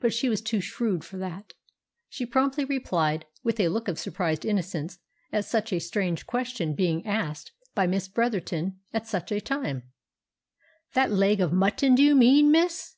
But she was too shrewd for that; she promptly replied, with a look of surprised innocence at such a strange question being asked by Miss Bretherton at such a time— "That leg of mutton, do you mean, miss?"